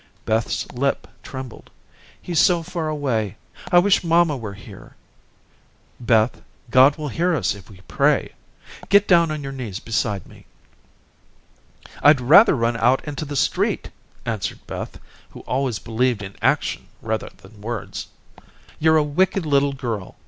Beth's lip trembled. "He's so far away. I wish mamma were here." "Beth, God will hear us if we pray. Get down on your knees beside me." "I'd rather run out into the street," answered Beth, who always believed in action rather than words. "You're a wicked little girl.